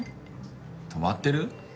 止まってる？